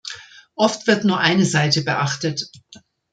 Oft wird nur eine Seite beachtet.